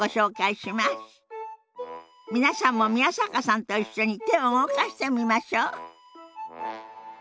皆さんも宮坂さんと一緒に手を動かしてみましょう。